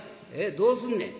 どうすんねん？」。